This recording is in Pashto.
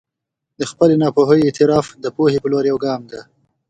د خپلې ناپوهي اعتراف د پوهې په لور یو ګام دی.